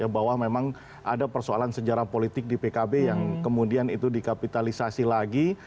bahwa memang ada persoalan sejarah politik di pkb yang kemudian itu dikapitalisasi lagi